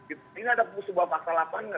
ini ada sebuah fakta lapangan